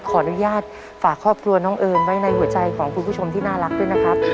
ขออนุญาตฝากครอบครัวน้องเอิญไว้ในหัวใจของคุณผู้ชมที่น่ารักด้วยนะครับ